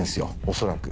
恐らく。